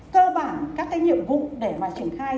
các cái nhiệm vụ để mà triển khai